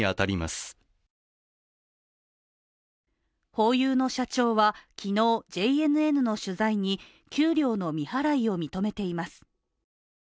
ホーユーの社長は昨日ＪＮＮの取材に、給料の未払いを認めています。